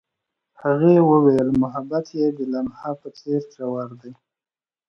هغې وویل محبت یې د لمحه په څېر ژور دی.